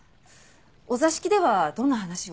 お座敷ではどんな話を？